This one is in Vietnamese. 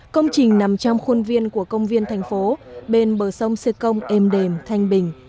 công trình nằm trong khuôn viên của công viên thành phố bên bờ sông xê công êm đềm thanh bình